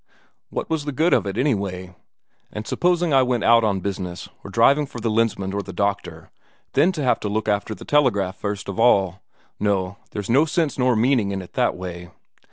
What was the good of it, anyway? And supposing I was out on business, or driving for the Lensmand or the doctor, then to have to look after the telegraph first of all no, there's no sense nor meaning in it that way.